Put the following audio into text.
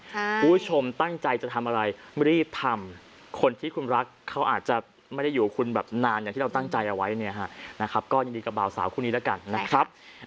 คุณผู้ชมตั้งใจจะทำอะไรไม่ได้รีบทำ